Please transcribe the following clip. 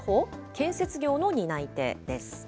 建設業の担い手です。